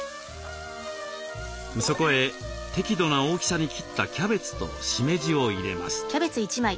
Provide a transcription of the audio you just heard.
そこへ適度な大きさに切ったキャベツとしめじを入れます。